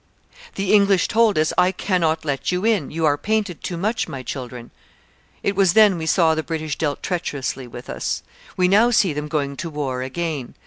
] the English told us, 'I cannot let you in; you are painted too much, my children.' It was then we saw the British dealt treacherously with us. We now see them going to war again.